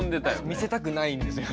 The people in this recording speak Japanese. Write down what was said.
見せたくないんですよ